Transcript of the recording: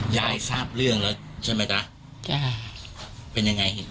ยายทราบเรื่องแล้วใช่ไหมจ๊ะจ้ะเป็นยังไง